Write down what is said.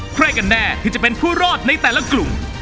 ใครกันแน่ที่จะเป็นผู้รอดในแต่ละกลุ่ม